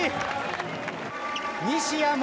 西矢椛。